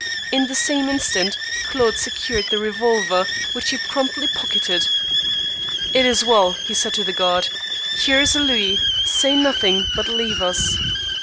In the same instant Claude secured the revolver, which he promptly pocketed. "It is well," he said to the guard. "Here is a louis. Say nothing, but leave us."